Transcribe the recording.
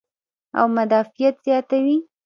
او مدافعت زياتوي -